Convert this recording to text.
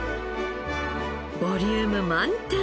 ボリューム満点！